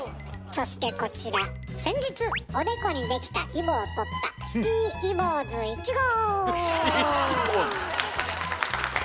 そしてこちら先日おでこにできたイボを取ったシティイボーズ。